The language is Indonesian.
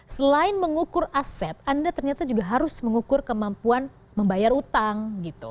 selain mengukur aset anda ternyata juga harus mengukur kemampuan membayar utang gitu